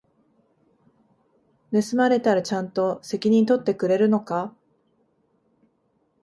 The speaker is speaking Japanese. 盗まれたらちゃんと責任取ってくれるのか？